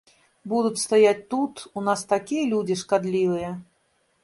Будуць стаяць тут, у нас такія людзі шкадлівыя.